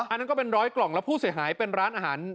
อันนั้นก็เป็นร้อยกล่องแล้วผู้เสียหายเป็นร้านอาหาร